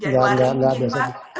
jadi luar biasa pak